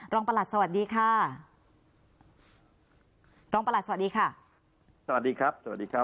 ประหลัดสวัสดีค่ะรองประหลัดสวัสดีค่ะสวัสดีครับสวัสดีครับ